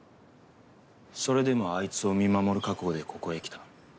それでもあいつを見守る覚悟でここへ来た。